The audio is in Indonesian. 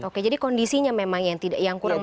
oke jadi kondisinya memang yang kurang